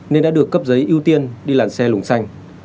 nên đã được cấp giấy ưu tiên đi làn xe lùng xanh